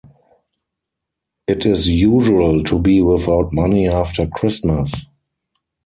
It is usual to be without money after Christmas.